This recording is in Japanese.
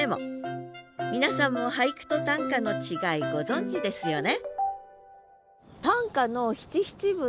皆さんも俳句と短歌の違いご存じですよね？